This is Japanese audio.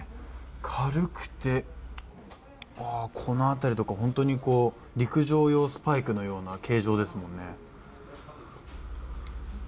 軽くてこの辺りとかホントに陸上用スパイクのような形状ですもんね